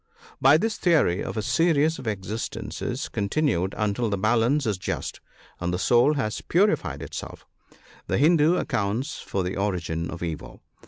By this theory of a series of existences continued until the balance is just, and the soul has purified itself, the Hindoo accounts for the origin of evil.